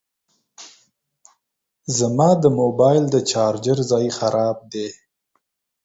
زما د موبایل د چارجر ځای خراب دی